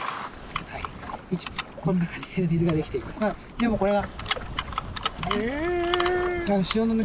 でもこれが。